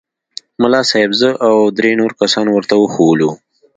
ملا صاحب زه او درې نور کسان ورته وښوولو.